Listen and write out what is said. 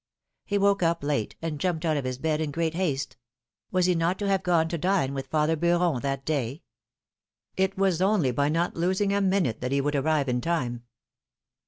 He woke up late, and jumped out of his bed in great haste. Was he not to have gone to dine with father Beuron that day ? It was only by not losing a minute that he would arrive in time.